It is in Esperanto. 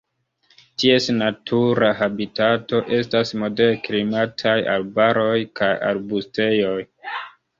Ties natura habitato estas moderklimataj arbaroj kaj arbustejoj.